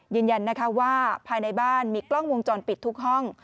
ยืนยันนะคะว่าภายในบ้านมีกล้องวงจรปิดทุกห้อง